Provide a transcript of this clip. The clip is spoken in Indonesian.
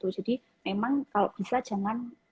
jadi memang kalau bisa jangan